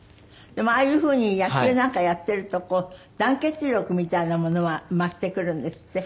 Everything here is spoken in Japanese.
でもああいうふうに野球なんかやっていると団結力みたいなものは増してくるんですって？